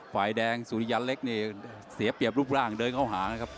ฝ่ายแดงสุริยันเล็กนี่เสียเปรียบรูปร่างเดินเข้าหานะครับ